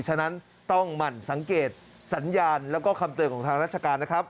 ฉะนั้นต้องหมั่นสังเกตสัญญาณแล้วก็คำเตือนของทางราชการนะครับ